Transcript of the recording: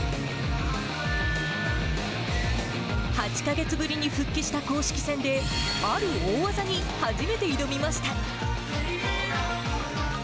８か月ぶりに復帰した公式戦で、ある大技に初めて挑みました。